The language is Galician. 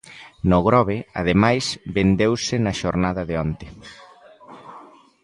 No Grove, ademais, vendeuse na xornada de onte.